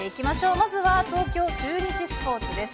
まずは東京中日スポーツです。